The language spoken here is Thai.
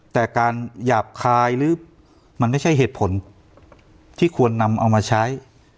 แต่การหยาบคายหรือมันไม่ใช่เหตุผลที่ควรนำเอามาใช้